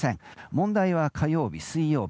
問題は火曜日、水曜日。